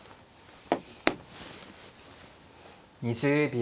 ２０秒。